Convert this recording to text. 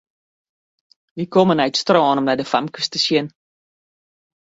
Wy komme nei it strân om nei de famkes te sjen.